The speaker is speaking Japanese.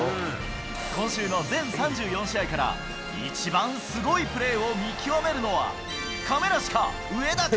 今週の全３４試合から、一番すごいプレーを見極めるのは、亀梨か、上田か。